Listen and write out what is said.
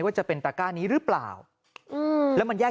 จะเป็นตระก้านี้หรือเปล่าแล้วมันแยก